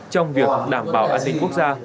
trong việc đảm bảo an ninh quốc gia